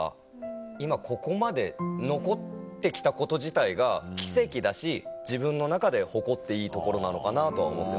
今ここまで残って来たこと自体が奇跡だし自分の中で誇っていいところなのかなとは思ってますけど。